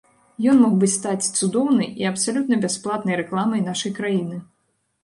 Ён мог бы стаць цудоўнай і абсалютна бясплатнай рэкламай нашай краіны.